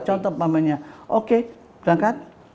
contoh namanya oke berangkat